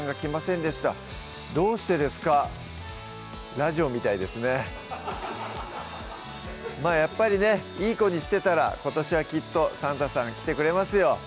ラジオみたいですねまぁやっぱりねいい子にしてたら今年はきっとサンタさん来てくれますよ